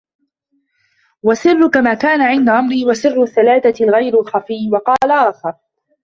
وَسِرُّك مَا كَانَ عِنْدَ امْرِئٍ وَسِرُّ الثَّلَاثَةِ غَيْرُ الْخَفِي وَقَالَ آخَرُ